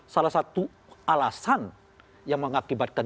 salah satu alasan yang mengakibatkan